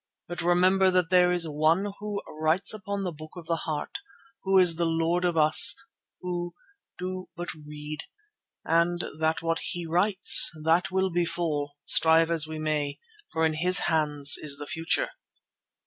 But remember that there is One Who writes upon the book of the heart, Who is the Lord of us who do but read, and that what He writes, that will befall, strive as we may, for in His hands is the future."